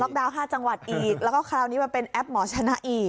ดาวน๕จังหวัดอีกแล้วก็คราวนี้มาเป็นแอปหมอชนะอีก